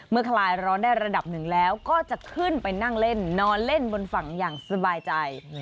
คลายร้อนได้ระดับหนึ่งแล้วก็จะขึ้นไปนั่งเล่นนอนเล่นบนฝั่งอย่างสบายใจ